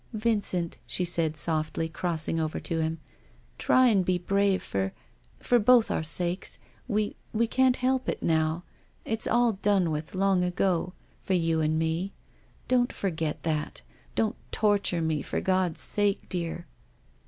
" Vincent," she said softly, crossing over to him, " try and be brave, for — f or both our sakes. We — we can't help it now. It's all done with long ago — about you and me. Don't forget that. Don't torture me, for God's sake, dear